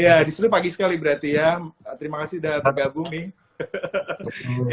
ya disuruh pagi sekali berarti ya terima kasih sudah bergabung nih